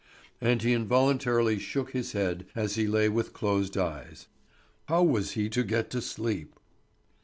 And he involuntarily shook his head as he lay with closed eyes. How was he to get to sleep?